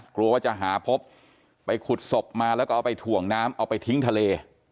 กลัวว่าจะหาพบไปขุดศพมาแล้วก็เอาไปถ่วงน้ำเอาไปทิ้งทะเล